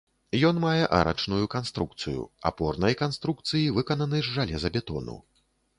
Ён мае арачную канструкцыю, апорнай канструкцыі выкананы з жалезабетону.